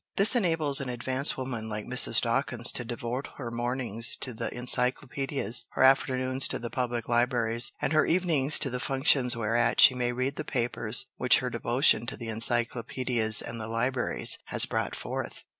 This enables an advanced woman like Mrs. Dawkins to devote her mornings to the encyclopedias, her afternoons to the public libraries, and her evenings to the functions whereat she may read the papers which her devotion to the encyclopedias and the libraries has brought forth."